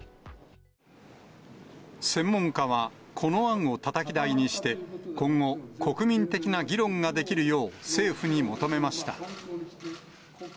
専門家は、この案をたたき台にして、今後、国民的な議論ができるよう、政府に求めました。